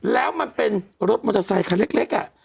แล้วมันเป็นรถมอเตอร์ไซคันเล็ก